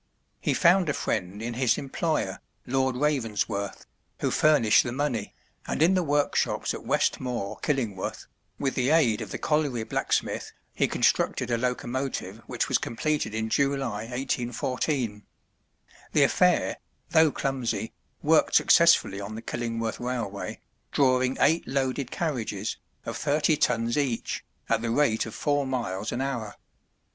He found a friend in his employer, Lord Ravensworth, who furnished the money, and in the work shops at West Moor, Killingworth, with the aid of the colliery blacksmith, he constructed a locomotive which was completed in July, 1814. The affair, though clumsy, worked successfully on the Killingworth railway, drawing eight loaded carriages, of thirty tons each, at the rate of four miles an hour.